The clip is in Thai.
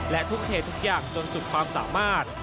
และทุ่มเททุกอย่างจนสุดความสามารถ